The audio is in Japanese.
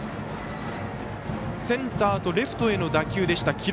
センターとレフトへの打球でした。